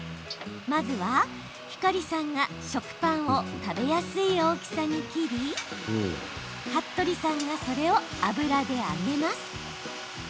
まずは、ひかりさんが食パンを食べやすい大きさに切り服部さんがそれを油で揚げます。